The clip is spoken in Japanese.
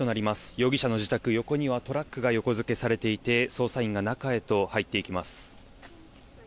容疑者の自宅横にはトラックが横付けされていて捜査員が中へと入っていきます。